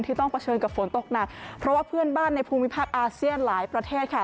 ต้องเผชิญกับฝนตกหนักเพราะว่าเพื่อนบ้านในภูมิภาคอาเซียนหลายประเทศค่ะ